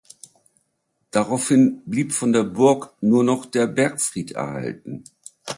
Daraufhin blieb von der Burg nur noch der Bergfried erhalten.